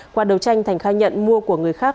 qua đầu tranh thành khai nhận mua của người khác